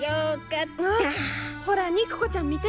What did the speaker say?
あっほら肉子ちゃん見て！